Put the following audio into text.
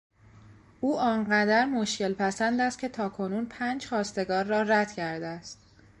او آن قدر مشکلپسند است که تاکنون پنج خواستگار را رد کرده است.